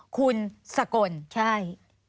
คุณสกลใช่